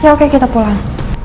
ya oke kita pulang